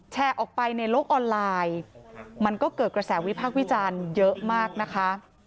แชร์ออกไปในโลกออนไลน์มันก็เกิดกระแสวิพากษ์วิจารณ์เยอะมากนะคะ